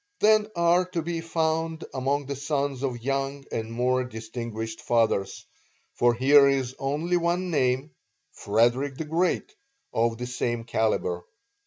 than are to be found among the sons of young and more distinguished fathers, for here is only one name (Frederick the Great) of the same caliber.